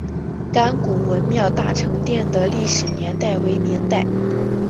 甘谷文庙大成殿的历史年代为明代。